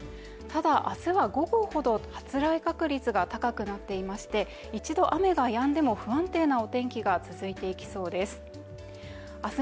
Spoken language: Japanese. ただ、明日は午後ほど発雷確率が高くなっていまして一度、雨がやんでも不安定なお天気が続いていきそうです。